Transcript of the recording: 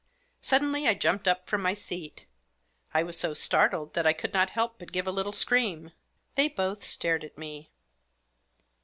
Suddenly I jumped up from my seat. I was so startled that I could not help but give a little scream. They both stared at me.